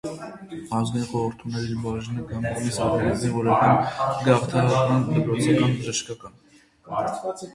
Ազգային խորհուրդն ուներ իր բաժինները կամ կոմիսարիատները՝ զինվորական, գաղթականական, դպրոցական, բժշկական։